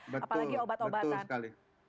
betul betul sekali apalagi obat obatan